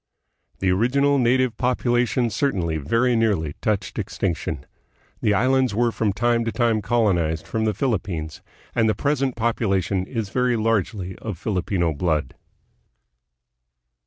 The original native population certainly very nearly touched extinction. The islands were from time to time colonized from the Philippines, and the present population is very largely of Filipino blood.